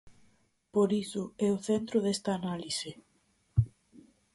Por iso é o centro desta análise.